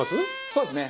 そうですね。